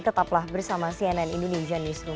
tetaplah bersama cnn indonesia newsroom